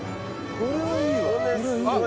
これいい。